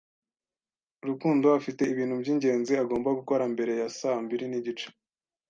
Rukundo afite ibintu byingenzi agomba gukora mbere ya saa mbiri nigice.